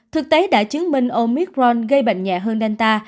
thực tế đã chứng minh omicron gây bệnh nhẹ hơn delta